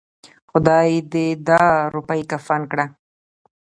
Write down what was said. خداى دې دا روپۍ کفن کړه.